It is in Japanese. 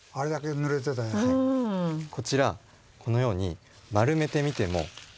こちらこのように丸めてみても。